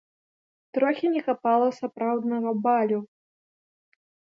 Трохі не хапала сапраўднага балю.